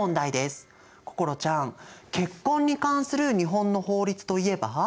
心ちゃん結婚に関する日本の法律といえば？